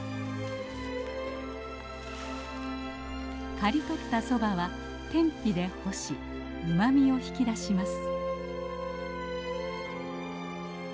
刈り取ったソバは天日で干しうまみを引き出します。